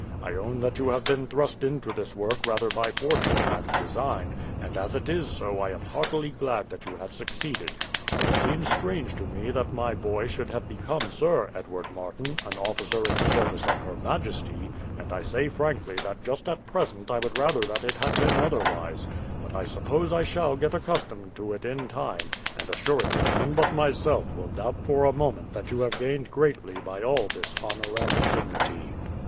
I own that you have been thrust into this work rather by fortune than design; and as it is so I am heartily glad that you have succeeded. It seems strange to me that my boy should have become Sir Edward Martin, an officer in the service of her majesty, and I say frankly that just at present I would rather that it had been otherwise. But I suppose I shall get accustomed to it in time, and assuredly none but myself will doubt for a moment that you have gained greatly by all this honour and dignity."